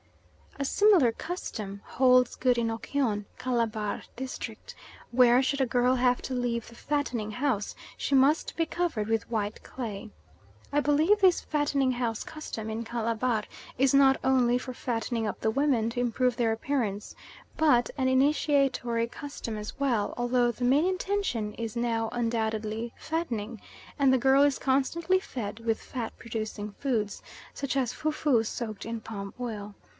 A similar custom holds good in Okyon, Calabar district, where, should a girl have to leave the fattening house, she must be covered with white clay. I believe this fattening house custom in Calabar is not only for fattening up the women to improve their appearance, but an initiatory custom as well, although the main intention is now, undoubtedly, fattening, and the girl is constantly fed with fat producing foods, such as fou fou soaked in palm oil.